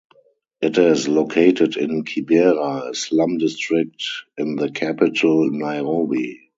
It is located in Kibera, a slum district in the capital Nairobi.